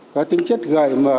có tính chất gợi mở